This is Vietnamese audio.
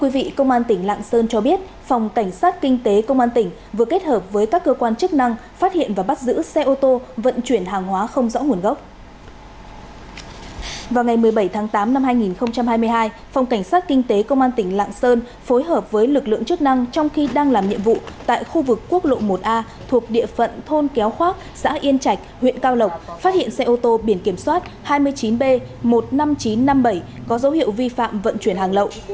vào ngày một mươi bảy tháng tám năm hai nghìn hai mươi hai phòng cảnh sát kinh tế công an tỉnh lạng sơn phối hợp với lực lượng chức năng trong khi đang làm nhiệm vụ tại khu vực quốc lộ một a thuộc địa phận thôn kéo khoác xã yên chạch huyện cao lộc phát hiện xe ô tô biển kiểm soát hai mươi chín b một mươi năm nghìn chín trăm năm mươi bảy có dấu hiệu vi phạm vận chuyển hàng lậu